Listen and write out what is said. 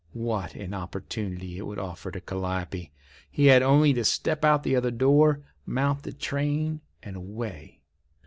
What an opportunity it would offer to Calliope! He had only to step out the other door, mount the train, and away.